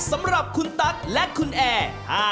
สำหรับคุณตั๊กและคุณแอร์